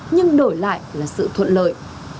nhưng đổi lại là sự thuận lợi